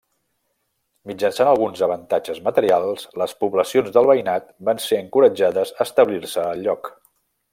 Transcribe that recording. Mitjançant alguns avantatges materials, les poblacions del veïnat van ser encoratjades a establir-se al lloc.